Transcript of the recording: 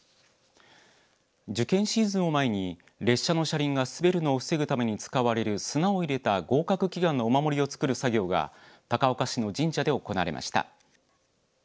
受験シーズンを前に列車の車輪が滑るのを防ぐために使われる砂を入れた合格祈願のお守りを作る作業が高岡市の神社で行われました。